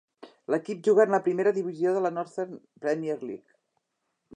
L'equip juga en la primera divisió de la Northern Premier League.